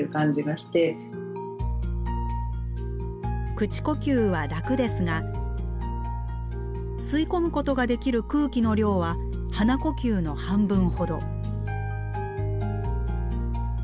口呼吸は楽ですが吸い込むことができる空気の量は鼻呼吸の半分ほど。